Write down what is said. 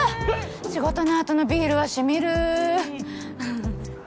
仕事のあとのビールはしみるふふふっ。